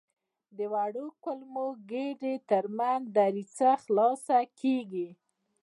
د وړو کولمو او ګیدې تر منځ دریڅه خلاصه کېږي.